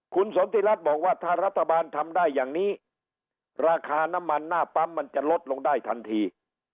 คุณสนทิรัฐบอกว่าถ้ารัฐบาลทำได้อย่างนี้ราคาน้ำมันหน้าปั๊มมันจะลดลงได้ทันที